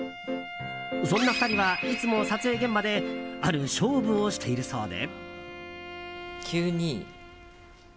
そんな２人は、いつも撮影現場である勝負をしているそうで。